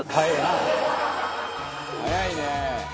「早いね」